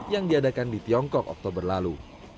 yang diadakan di tiongkok oktober lalu